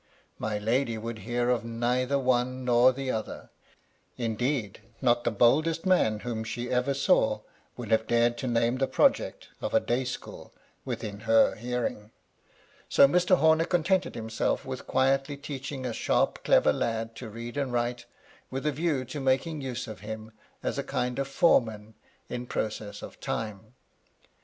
My lady would hear of neither one nor the other : indeed, not the boldest man whom she ever saw would have dared to name the project of a day school within her hearing. So Mr. Homer contented himself with quietly teaching a sharp, clever lad to read and write, with a view to making use of him as a kind of foreman in process of time.